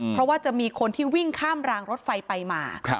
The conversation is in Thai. เพราะว่าจะมีคนที่วิ่งข้ามรางรถไฟไปมา